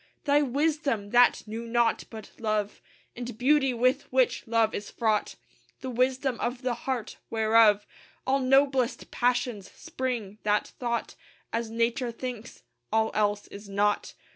Thy wisdom! that knew naught but love And beauty, with which love is fraught; The wisdom of the heart whereof All noblest passions spring that thought As Nature thinks, "All else is naught."